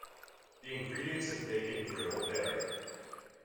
The ingredients of Bacon Grill vary.